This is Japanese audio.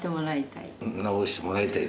直してもらいたい。